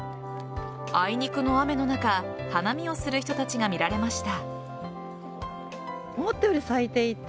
あいにくの雨の中花見をする人たちが見られました。